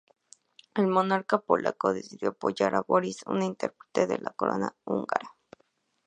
El monarca polaco decidió apoyar a Boris, un pretendiente a la Corona húngara.